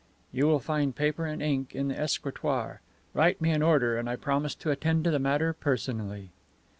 "You will find paper and ink in the escritoire. Write me an order and I promise to attend to the matter personally."